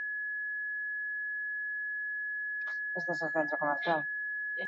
Ekialdean ez zegoen muga zehatzik, Portugal ez zegoelako ados.